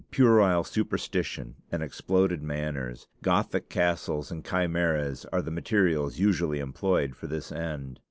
Puerile superstition and exploded manners, Gothic castles and chimeras, are the materials usually employed for this end.